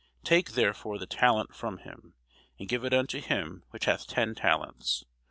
Take therefore the talent from him, and give it unto him which hath ten talents.